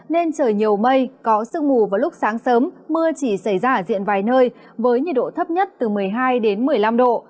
nên trời nhiều mây có sương mù vào lúc sáng sớm mưa chỉ xảy ra ở diện vài nơi với nhiệt độ thấp nhất từ một mươi hai đến một mươi năm độ